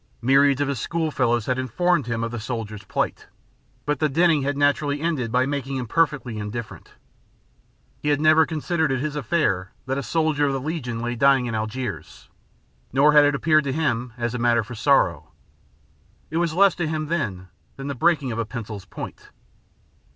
Myriads of his school fellows had informed him of the soldier's plight, but the dinning had naturally ended by making him perfectly indifferent. He had never considered it his affair that a soldier of the Legion lay dying in Algiers, nor had it appeared to him as a matter for sorrow. It was less to him than the breaking of a pencil's point.